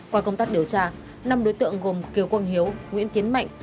qua công tác điều tra năm đối tượng gồm kiều quang hiếu nguyễn tiến mạnh